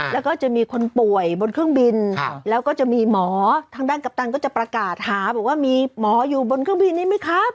แล้วก็จะมีคนป่วยบนเครื่องบินแล้วก็จะมีหมอทางด้านกัปตันก็จะประกาศหาบอกว่ามีหมออยู่บนเครื่องบินนี้ไหมครับ